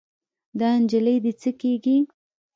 دا نجلۍ دې څه کيږي؟